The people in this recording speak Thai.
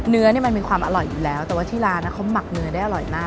เนี่ยมันมีความอร่อยอยู่แล้วแต่ว่าที่ร้านเขาหมักเนื้อได้อร่อยมาก